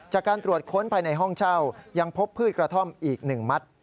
จากการตรวจค้นภายในห้องเช่ายังพบพืชกระท่อมอีก๑มัด